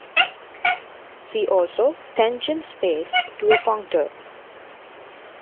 See also: tangent space to a functor.